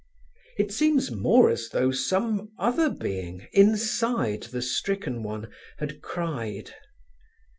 It seems more as though some other being, inside the stricken one, had cried.